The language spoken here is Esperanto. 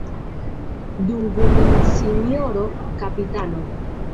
Dungu min sinjoro kapitano!